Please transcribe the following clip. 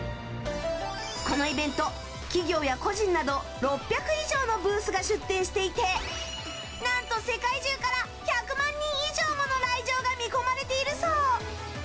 このイベント、企業や個人など６００以上のブースが出展していて何と、世界中から１００万人以上もの来場が見込まれているそう。